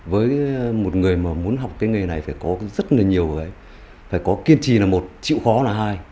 với một người mà muốn học cái nghề này phải có rất là nhiều người phải có kiên trì là một chịu khó là hai